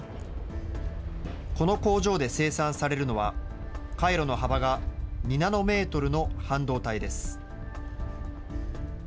この工場で生産されるのは、回路の幅が２ナノメートルの半導体です。